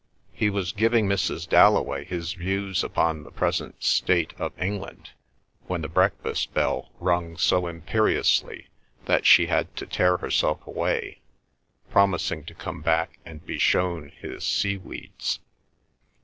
He was giving Mrs. Dalloway his views upon the present state of England when the breakfast bell rung so imperiously that she had to tear herself away, promising to come back and be shown his sea weeds.